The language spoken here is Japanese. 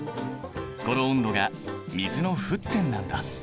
この温度が水の沸点なんだ。